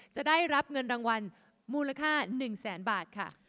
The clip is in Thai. จะได้รับเงินรางวัลมูลค่า๑แสนบาทค่ะ